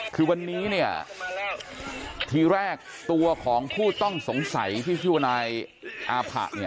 คือวันนี้เนี่ยทีแรกตัวของผู้ต้องสงสัยที่อยู่ในอาผะเนี่ย